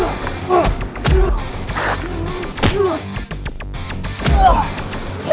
sampai jumpa di video selanjutnya